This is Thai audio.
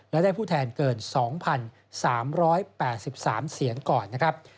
และได้ผู้แทนเกิน๒๓๘๓เสียงก่อนนะครับ